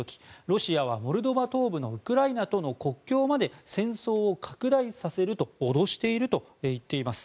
ロシアはモルドバ東部のウクライナとの国境まで戦争を拡大させると脅していると言っています。